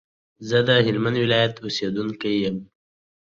New fossil remains of "Homo naledi" from the Lesedi Chamber, South Africa.